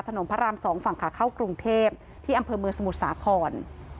พระราม๒ฝั่งขาเข้ากรุงเทพที่อำเภอเมืองสมุทรสาคร